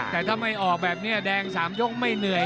แต่ถ้าไม่ออกแบบนี้แดง๓ยกไม่เหนื่อย